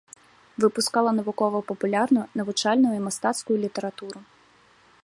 Выпускала навукова-папулярную, навучальную і мастацкую літаратуру.